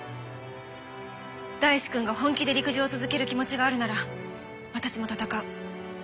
大志くんが本気で陸上を続ける気持ちがあるなら私も戦う。